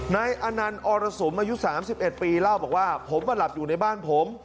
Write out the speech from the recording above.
นายอนันต์อรสุมอายุ๓๑ปีเล่าบอกว่าผมมาหลับอยู่ในบ้านผม